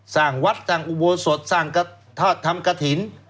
๔สร้างวัดสร้างอุโบสถสร้างธรรมกฐิน